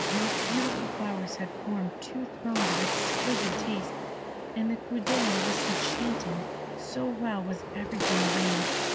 The most beautiful flowers had formed two thrones of exquisite taste, and the coup d'œil was enchanting, so well was everything arranged.